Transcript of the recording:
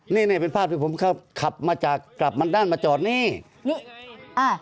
นี่นี่เป็นภาพที่ผมขับมาจากกลับมันด้านมาจอดนี่นี่อ่า